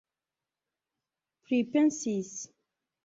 pripensis